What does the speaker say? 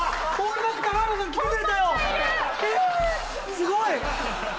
すごい。